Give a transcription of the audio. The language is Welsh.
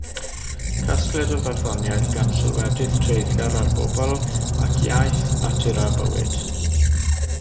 Casgliad o farddoniaeth gan sylwedydd treiddgar ar bobl ac iaith, natur a bywyd.